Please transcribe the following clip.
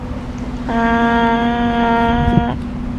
伦敦大学学院法学院一直是英国最顶尖的法学院之一。